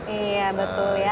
iya betul ya